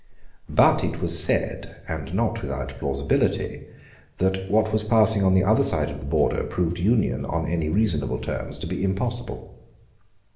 But it was said, and not without plausibility, that what was passing on the other side of the Border proved union on any reasonable terms to be impossible.